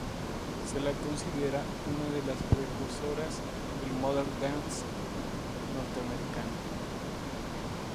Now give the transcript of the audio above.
Se la considera una de las precursoras del "modern dance" norteamericano.